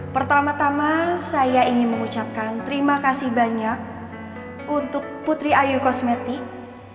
pertama tama saya ingin mengucapkan terima kasih banyak untuk putri ayo kosmetik